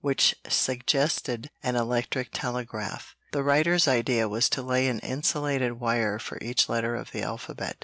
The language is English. which suggested an electric telegraph. The writer's idea was to lay an insulated wire for each letter of the alphabet.